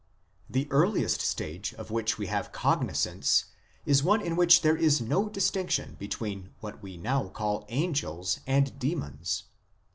The earliest stage of which we have cognisance is one in which there is ho distinction between what we now call angels and demons.